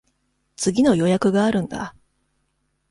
次の予約があるんだ。